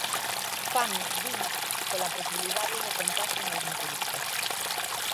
Fano, din, pola posibilidade do contaxio nalgún turista.